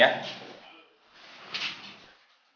iya terima kasih banyak ya abah